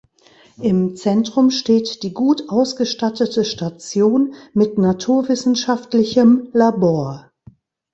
Im Zentrum steht die gut ausgestattete Station mit naturwissenschaftlichem Labor.